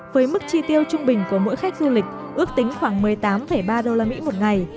với mức chi tiêu trung bình của mỗi khách du lịch ước tính khoảng một mươi tám ba usd một ngày